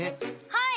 はい！